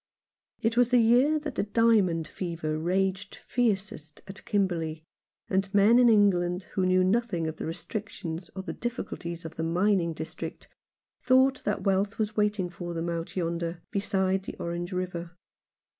It was the year that the diamond fever raged fiercest at Kimberley, and men in England who knew nothing of the restrictions or the difficulties of the mining district, thought that wealth was waiting for them out yonder, beside the Orange River.